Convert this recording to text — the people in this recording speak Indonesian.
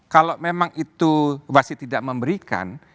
kalau memang itu wasit tidak memberikan